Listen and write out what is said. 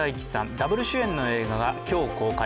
ダブル主演の映画が今日公開。